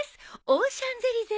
『オ・シャンゼリゼ』